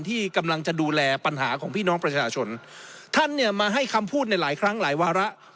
ที่กำลังจะดูแลปัญหาของพี่น้องประชาชนท่านเนี่ยมาให้คำพูดในหลายครั้งหลายวาระ